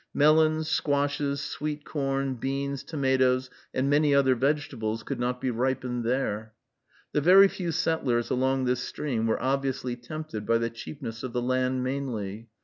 Melons, squashes, sweet corn, beans, tomatoes, and many other vegetables, could not be ripened there. The very few settlers along this stream were obviously tempted by the cheapness of the land mainly.